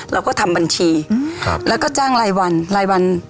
เราก็ทำบัญชีแล้วก็จ้างลายวัน